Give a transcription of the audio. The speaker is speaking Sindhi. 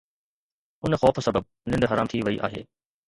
ان خوف سبب ننڊ حرام ٿي وئي آهي.